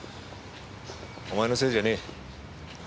お前のせいじゃねえ。